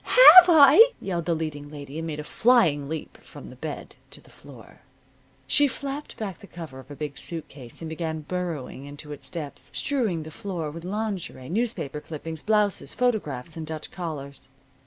"Have I!" yelled the leading lady. And made a flying leap from the bed to the floor. She flapped back the cover of a big suit case and began burrowing into its depths, strewing the floor with lingerie, newspaper clippings, blouses, photographs and Dutch collars.